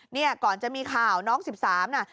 เนี่ยก่อนจะมีข่าวน้อง๑๓น่ะ